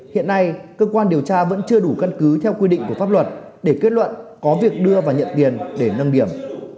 hiện nay cơ quan điều tra vẫn chưa đủ căn cứ theo quy định của pháp luật để kết luận có việc đưa và nhận tiền để nâng điểm